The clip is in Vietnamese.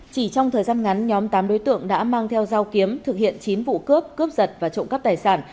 chỉ trong thời gian ngắn nhóm tám đối tượng đã mang theo dao kiếm thực hiện chín vụ cướp cướp giật và trộm cắp tài sản